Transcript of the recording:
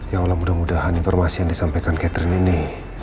ya allah mudah mudahan informasi yang disampaikan catherine ini